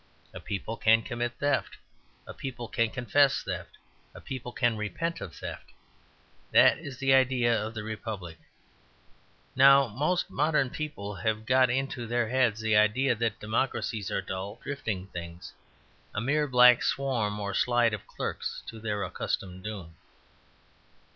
A people can commit theft; a people can confess theft; a people can repent of theft. That is the idea of the republic. Now, most modern people have got into their heads the idea that democracies are dull, drifting things, a mere black swarm or slide of clerks to their accustomed doom.